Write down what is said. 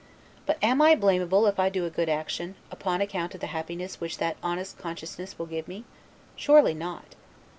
But am I blamable if I do a good action, upon account of the happiness which that honest consciousness will give me? Surely not.